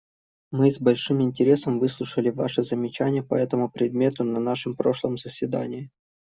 Мы с большим интересом выслушали Ваши замечания по этому предмету на нашем прошлом заседании.